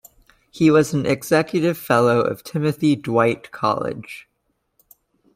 He was an executive fellow of Timothy Dwight College.